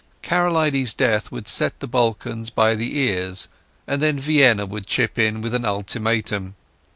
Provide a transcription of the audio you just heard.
Karolides' death would set the Balkans by the ears, and then Vienna would chip in with an ultimatum.